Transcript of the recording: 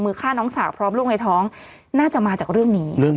มือฆ่าน้องสาวพร้อมลงในท้องน่าจะมาจากเรื่องนี้เรื่อง